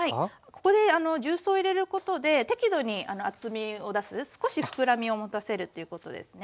ここで重曹を入れることで適度に厚みを出す少しふくらみを持たせるということですね。